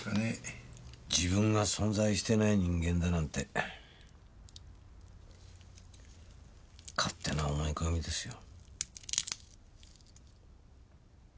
自分が存在してない人間だなんて勝手な思い込みですよ。